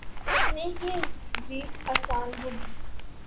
اتنی ہی جیت آسان ہو گی۔